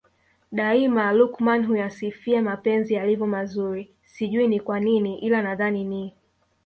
Daima Luqman huyasifia mapenzi yalivyo mazuri sijui ni kwanini ila nadhani ni